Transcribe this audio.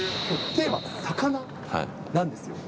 テーマ、魚なんですよ。